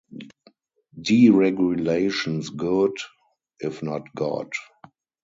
Deregulation's good, if not God.